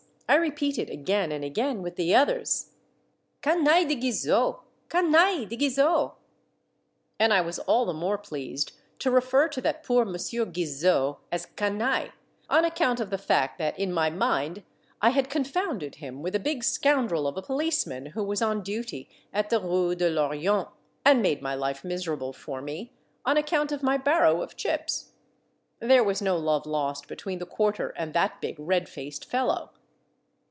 I repeated again and again with the others, —Canaille de Guizot ! canaille de Guizot /" And I was all the more pleased to refer to that poor Monsieur Guizot as '' canaille " on account of the fact that in my mind I had confounded him with a big scoundrel of a policeman who was on duty at the Rue de I'Orillon, and made my life miserable for me on account of my barrow of chips. There was no love lost between the quarter and that big, red faced fellow.